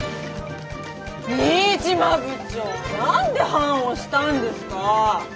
新島部長何で判押したんですか？